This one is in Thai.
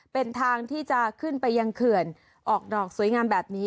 เป็นทางที่จะขึ้นไปยังเขื่อนออกดอกสวยงามแบบนี้